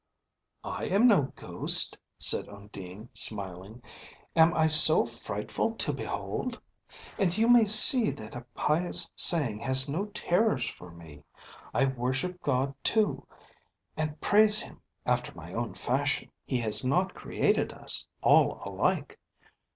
"I am no ghost," said Undine, smiling; "am I so frightful to behold? And you may see that a pious saying has no terrors for me. I worship God, too, and praise Him after my own fashion; He has not created us all alike.